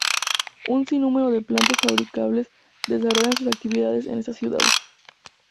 Un sinnúmero de plantas fabriles desarrollan sus actividades en estas ciudades.